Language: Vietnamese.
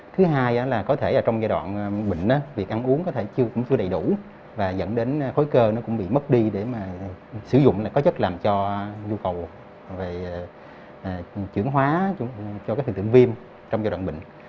thứ hai là có thể trong giai đoạn bệnh việc ăn uống cũng chưa đầy đủ và dẫn đến khối cơ nó cũng bị mất đi để sử dụng có chất làm cho nhu cầu về trưởng hóa cho các thường tượng viêm trong giai đoạn bệnh